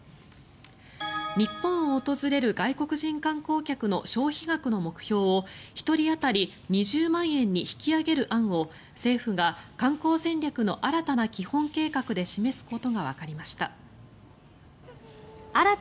日本を訪れる外国人観光客の消費額の目標を１人当たり２０万円に引き上げる案を政府が観光戦略の新たな基本計画で示すことがわかりました。